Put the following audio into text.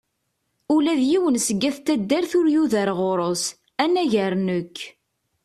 Ula d yiwen seg at taddart ur yuder ɣur-s, anagar nekk.